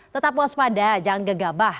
tetap puas pada jangan gegabah